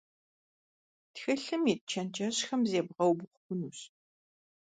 Тхылъым ит чэнджэщхэм зебгъэубгъу хъунущ.